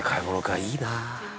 いいな」